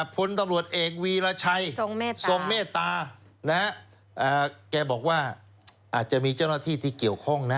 พลตำรวจเอกวีรชัยทรงเมตตาแกบอกว่าอาจจะมีเจ้าหน้าที่ที่เกี่ยวข้องนะ